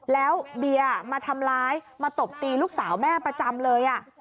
แล้วเบียร์มาทำร้ายมาตบตีลูกสาวแม่ประจำเลย